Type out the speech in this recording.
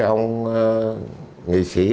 ông nghị sĩ